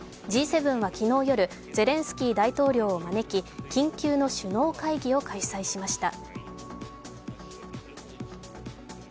Ｇ７は昨日夜、ゼレンスキー大統領を招き、緊急の首脳会議を開催しました。